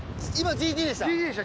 ＧＴでした。